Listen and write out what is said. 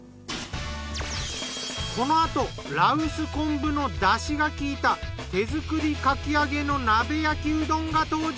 このあと羅臼昆布のだしがきいた手作りかき揚げの鍋焼きうどんが登場！